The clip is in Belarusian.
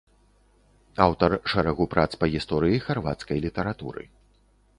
Аўтар шэрагу прац па гісторыі харвацкай літаратуры.